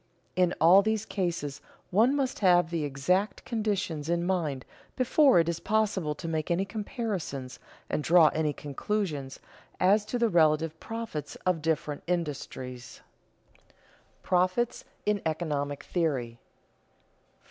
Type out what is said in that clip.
In all these cases one must have the exact conditions in mind before it is possible to make any comparisons and draw any conclusions as to the relative profits of different industries. [Sidenote: Profits in economic theory] 4.